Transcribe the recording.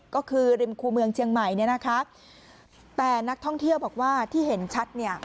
ก็คือริมคู่เมืองเชียงใหม่เนี่ยนะคะแต่นักท่องเที่ยวบอกว่าที่เห็นชัดเนี่ย